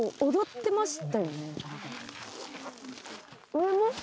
上も？